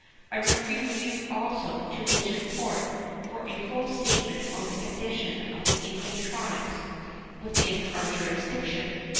I refer you also to his report for a full statement of the condition of the Indian tribes within our jurisdiction.